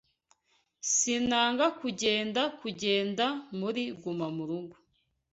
Sinanga kugenda kugenda muri gumamurugo.